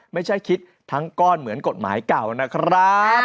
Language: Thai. ไม่ใช่คิดทั้งก้อนเหมือนกฎหมายเก่านะครับ